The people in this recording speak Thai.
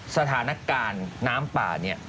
สถานการณ์น้ำป่าเนี่ย